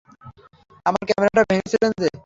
আমার ক্যামেরাটা ভেঙেছিলেন যে!